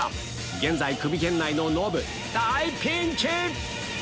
現在クビ圏内のノブ大ピンチ！